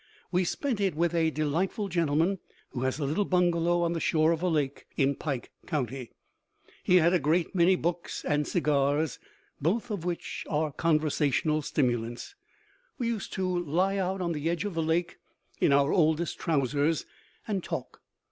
We spent it with a delightful gentleman who has a little bungalow on the shore of a lake in Pike County. He had a great many books and cigars, both of which are conversational stimulants. We used to lie out on the edge of the lake, in our oldest trousers, and talk.